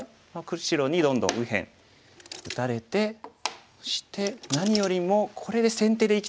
白にどんどん右辺打たれてそして何よりもこれで先手で生きてるのがつらいですね。